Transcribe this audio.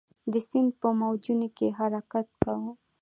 د سیند په موجونو کې حرکت کاوه.